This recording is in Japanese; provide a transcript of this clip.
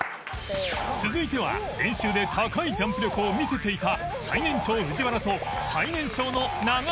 続いては練習で高いジャンプ力を見せていた最年長藤原と最年少の長尾ペア